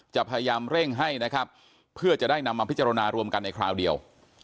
จะพยายามเร่งให้นะครับเพื่อจะได้นำมาพิจารณารวมกันในคราวเดียว